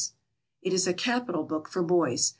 It is a capital book for boys.